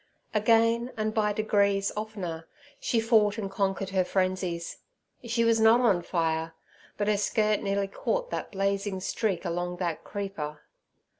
Again, and by degrees oftener, she fought and conquered her frenzies, She was not on fire, but her skirt nearly caught that blazing streak along that creeper.